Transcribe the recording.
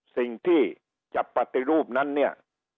สิ่งที่จะปฏิรูปนั้นเนี่ย